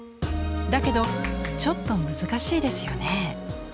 だけどちょっと難しいですよね。